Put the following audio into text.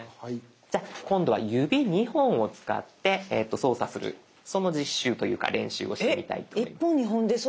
じゃあ今度は指２本を使って操作するその実習というか練習をしてみたいと思います。